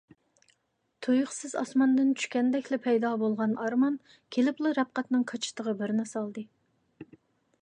تۇيۇقسىز ئاسماندىن چۈشكەندەكلا پەيدا بولغان ئارمان كېلىپلا رەپقەتنىڭ كاچىتىغا بىرنى سالدى.